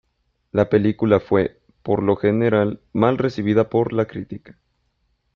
La película fue, por lo general, mal recibida por la crítica.